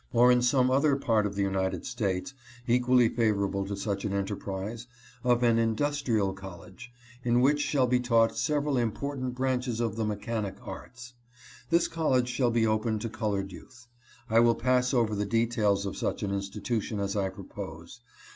or in some other part of the United States equally favorable to such an enterprise, of an Industrial College in which shall be taught several important branches of the mechanic arts. This college shall be open to colored youth. I will pass over the details of such an institution as I propose.